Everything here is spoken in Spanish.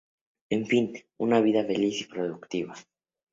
En fin, una vida feliz y productiva.